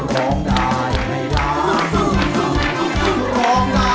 ร้องได้ให้ล้าน